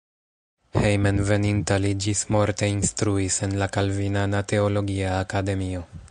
Hejmenveninta li ĝismorte instruis en la kalvinana teologia akademio.